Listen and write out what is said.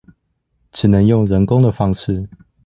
只能用人工的方式